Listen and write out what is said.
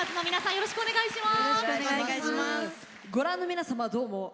よろしくお願いします。